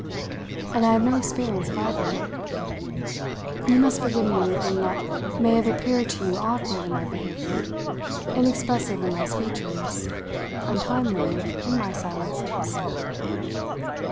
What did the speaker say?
And I have no experience of either. You must forgive me anything that may have appeared to you awkward in my behaviour, inexpressive in my speeches, untimely in my silences."